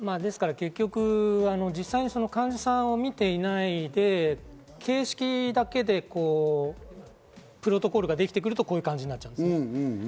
結局、実際に患者さんを見ていないで形式的にプロトコルができてくるとこういう感じなっちゃうんです。